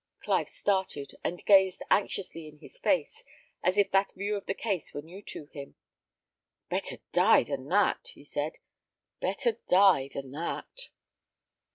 Clive started, and gazed anxiously in his face, as if that view of the case were new to him. "Better die than that!" he said; "better die than that!"